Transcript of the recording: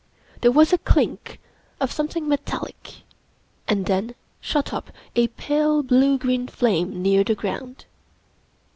There was a clink of something metallic, and then shot up a pale blue green flame near the ground.